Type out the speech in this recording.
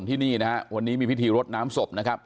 ที่นี่นะฮะวันนี้มีพิธีรดน้ำศพนะครับ